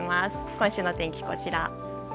今週の天気、こちら。